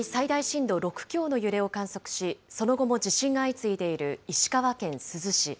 今月５日に最大震度６強の揺れを観測し、その後も地震が相次いでいる石川県珠洲市。